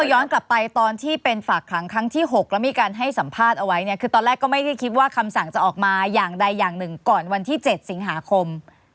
วันที่๗สิงหาคมนี้ใช่ไหมครับ